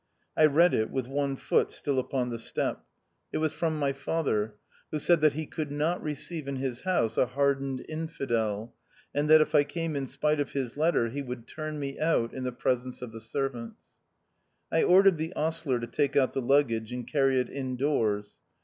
I read it with one foot still upon the step. It was from my THE OUTCAST. 133 father, who said that he could not receive in his house a hardened infidel ; and that if I came in spite of his letter, he would turn me out in the presence of the servants. I ordered the ostler to take out the luggage and carry it in doors.